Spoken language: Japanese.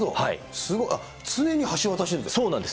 すごい、常に橋渡そうなんですよ。